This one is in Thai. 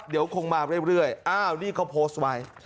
เดี๋ยวคงมาเรื่อยอ้าวนี่เขาโพสต์ไว้